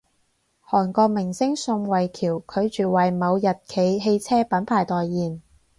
韓國明星宋慧喬拒絕爲某日企汽車品牌代言